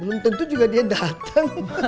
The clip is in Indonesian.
belum tentu juga dia datang